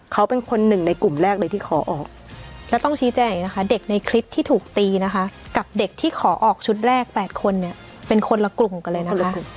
แล้วต้องชี้แจ่อย่างนี้นะคะเด็กในคลิปที่ถูกตีนะคะกับเด็กที่ขอออกชุดแรก๘คนเนี่ยเป็นคนละกลุ่มกันเลยนะคะ